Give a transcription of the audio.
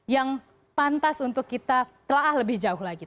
yang pantas untuk kita telah lebih jauh lagi